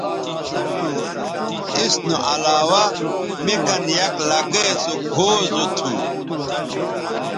اس نو علاوہ می کن یک لکئے سوگھؤ زو تھو